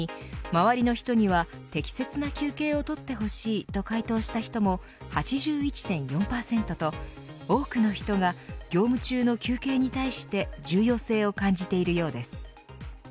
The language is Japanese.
周りの人には適切な休憩を取ってほしいと回答した人も８１．４％と多くの人が業務中の休憩に対して重要性を感じているようです。